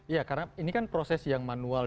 ya karena ini kan proses yang manual